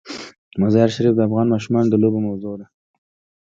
مزارشریف د افغان ماشومانو د لوبو موضوع ده.